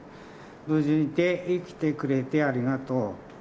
無事で生きてくれてありがとう。